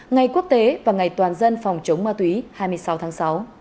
ngày quốc tế và ngày toàn dân phòng chống ma túy hai mươi sáu tháng sáu